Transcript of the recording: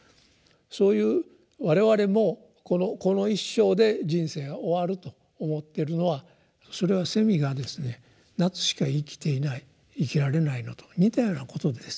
そういう我々もこの一生で人生が終わると思ってるのはそれはセミがですね夏しか生きていない生きられないのと似たようなことでですね。